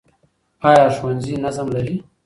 ایا ښوونځي نظم لري؟